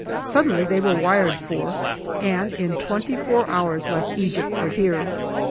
Suddenly they were wired for, and in twenty four hours left Egypt for here.